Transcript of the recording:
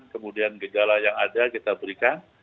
kemudian gejala yang ada kita berikan